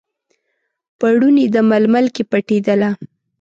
پوړني، د ململ کې پټیدله